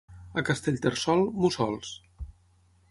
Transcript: A Castellterçol, mussols.